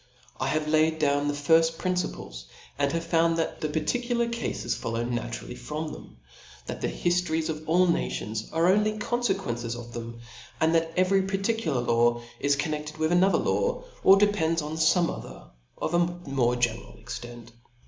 I have laid down the firft principles, and have found that the particular cafes follow naturally from them ; that the hidories of all nations are only confequences of them; and that every particular law is connected with another law, or depends on fome other of a more general extent.